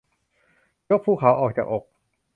ยกภูเขาออกจากอก